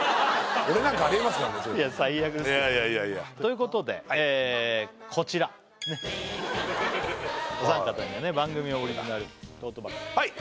俺なんかありえますからねいや最悪ですねいやいやいやということでこちらねっお三方にはね番組オリジナルトートバッグはい